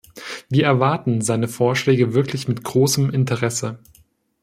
Wir erwarten seine Vorschläge wirklich mit großem Interesse.